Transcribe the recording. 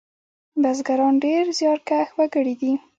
بزگران ډېر زیارکښ وگړي دي.